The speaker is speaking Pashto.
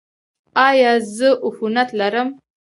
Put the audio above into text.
ایا زه عفونت لرم؟